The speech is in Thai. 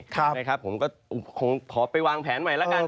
ผมก็คงขอไปวางแผนใหม่แล้วกัน